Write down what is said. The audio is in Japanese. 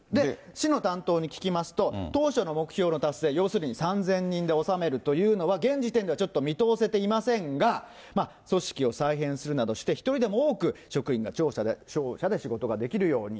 市の担当に聞きますと、当初の目標の達成、要するに３０００人で収めるというのは、現時点ではちょっと見通せていませんが、組織を再編するなどして、１人でも多く職員が庁舎で仕事ができるように。